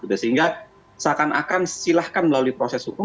sehingga seakan akan silahkan melalui proses hukum